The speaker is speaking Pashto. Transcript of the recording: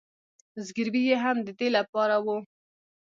زګیروي یې هم د دې له پاره و.